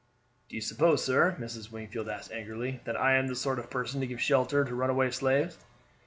"Do you suppose, sir," Mrs. Wingfield asked angrily, "that I am the sort of person to give shelter to runaway slaves?"